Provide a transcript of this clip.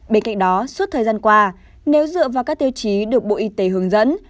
bên cạnh đó suốt thời gian qua nếu dựa vào các tiêu chí được bộ y tế hướng dẫn